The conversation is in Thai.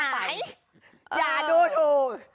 มันหายอย่าดูถูก